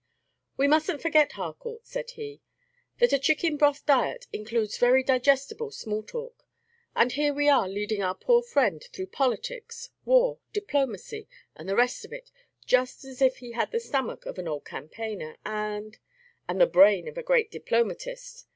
"We must n't forget, Harcourt," said he, "that a chicken broth diet includes very digestible small talk; and here we are leading our poor friend through politics, war, diplomacy, and the rest of it, just as if he had the stomach of an old campaigner and " "And the brain of a great diplomatist!